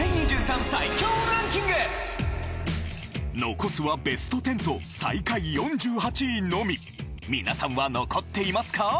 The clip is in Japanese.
残すはベストテンと最下位４８位のみ皆さんは残っていますか？